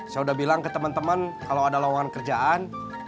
saya udah bilang ke temen temen kalau ada lawangan kerjaan